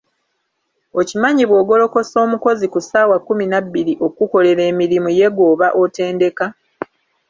Okimanyi bw'ogolokosa omukozi ku ssaawa kkumi na bbiri okukkolera emirimu ye gw'oba otendeka?